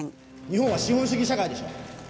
日本は資本主義社会でしょ。